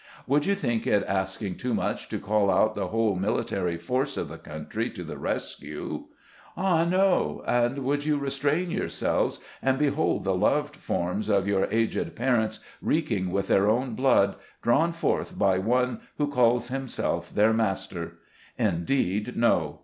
Would you think it asking too much to call out the whole military force of the country to the rescue ? Ah, no ! And could you restrain yourselves, and behold the loved forms of your aged parents reeking with their own blood, drawn forth by one who calls 208 SKETCHES OF SLAVE LIFE. himself their master? Indeed, no